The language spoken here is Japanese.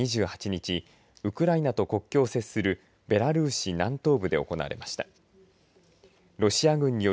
会談は、２８日ウクライナと国境を接するベラルーシ南東部で行われました。